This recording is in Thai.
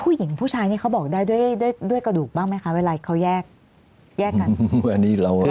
ผู้หญิงผู้ชายนี่เขาบอกได้ด้วยกระดูกบ้างไหมคะเวลาเขาแยกแยกกัน